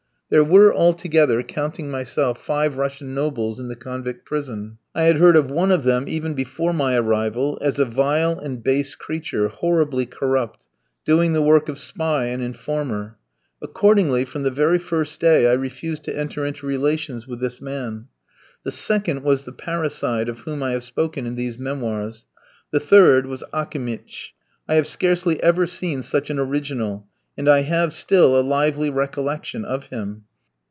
There were altogether counting myself five Russian nobles in the convict prison. I had heard of one of them even before my arrival as a vile and base creature, horribly corrupt, doing the work of spy and informer. Accordingly, from the very first day I refused to enter into relations with this man. The second was the parricide of whom I have spoken in these memoirs. The third was Akimitch. I have scarcely ever seen such an original; and I have still a lively recollection of him.